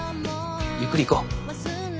ゆっくり行こう。